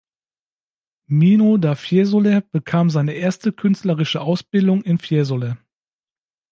Mino da Fiesole bekam seine erste künstlerische Ausbildung in Fiesole.